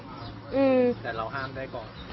แต่เราห้ามได้ก่อน